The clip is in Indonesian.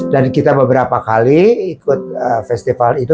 dan kita beberapa kali ikut festival itu